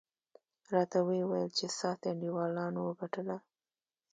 راته ویې ویل چې ستاسې انډیوالانو وګټله.